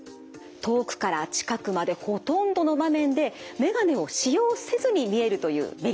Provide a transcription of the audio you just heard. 遠くから近くまでほとんどの場面で眼鏡を使用せずに見えるというメリットがあります。